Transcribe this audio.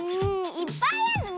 いっぱいあるね！